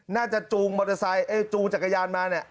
น่าจะจูงจักรยานมาเนี่ย